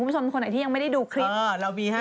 คุณผู้ชมคนไหนที่ยังไม่ได้ดูคลิปเรามีให้